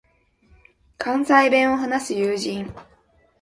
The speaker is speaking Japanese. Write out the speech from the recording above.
関西弁を話す友人